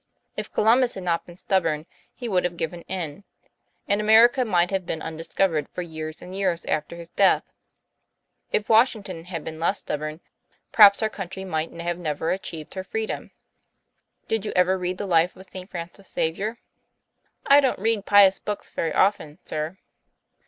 If Columbus had not been stubborn he would have given in; and America might have been undiscovered for years and years after his death ; if Washington had been less stub born, perhaps our country might have never achieved her freedom. Did you ever read the life of St. Francis Xavier?" ' I don't read pious books very often, sir."